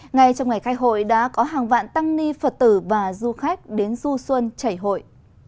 ngay trong ngày khai hội đã có hàng vạn tăng ni phật tử và du khách đến du xuân chảy hội